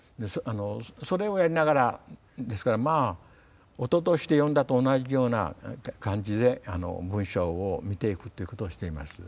それをやりながらですからまあ音として読んだと同じような感じで文章を見ていくっていうことをしています。